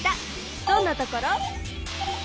どんなところ？